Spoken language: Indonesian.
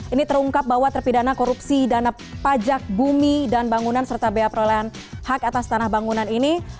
ini terungkap bahwa terpidana korupsi dana pajak bumi dan bangunan serta bea perolehan hak atas tanah bangunan ini